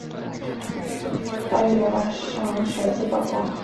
芭比娃娃上首次曝光。